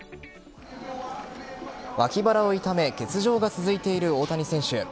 脇腹を痛め欠場が続いている大谷選手。